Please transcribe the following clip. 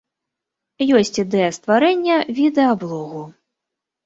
Ёсць ідэя стварэння відэаблогу.